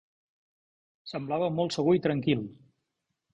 Semblava molt segur i tranquil.